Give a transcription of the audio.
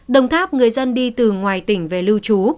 đồng tháp người dân đi từ ngoài tỉnh về lưu trú